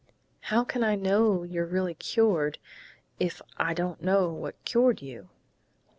"How can I know you're really cured, if I don't know what cured you?"